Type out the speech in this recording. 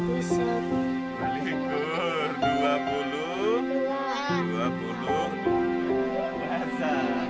vera asyik mencoba dengan kemampan untuk berkas artikel hidup dan pend refinansienna